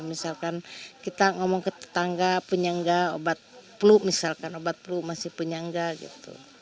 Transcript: misalkan kita ngomong ke tetangga punya nggak obat peluh misalkan obat peluh masih punya nggak gitu